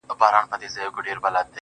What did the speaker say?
o زما د تصور لاس گراني ستا پر ځــنگانـه.